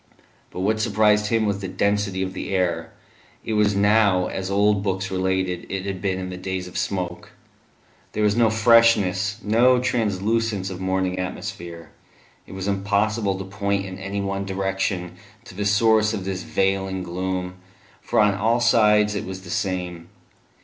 But what surprised him was the density of the air; it was now, as old books related it had been in the days of smoke. There was no freshness, no translucence of morning atmosphere; it was impossible to point in any one direction to the source of this veiling gloom, for on all sides it was the same.